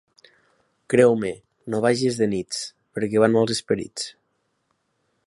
Creu-me, no vages de nits, perquè van mals esperits.